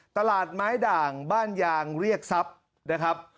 ตลาดไม้ด่างบ้านยางเรียกทรัพย์นะครับ